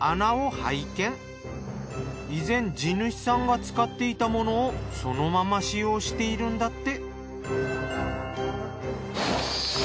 以前地主さんが使っていたものをそのまま使用しているんだって。